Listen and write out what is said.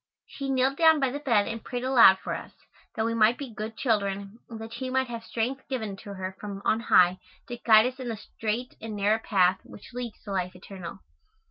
She kneeled down by the bed and prayed aloud for us, that we might be good children and that she might have strength given to her from on high to guide us in the straight and narrow path which leads to life eternal.